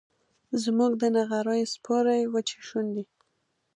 زموږ د نغریو سپورې وچې شونډي